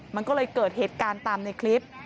มันก็เลยเกิดเหตุการณ์ตามในคลิป